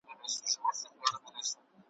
صمد خان بابا د چا په لمسون ومړ.